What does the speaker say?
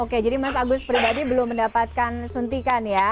oke jadi mas agus pribadi belum mendapatkan suntikan ya